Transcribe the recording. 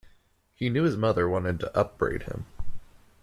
He knew his mother wanted to upbraid him.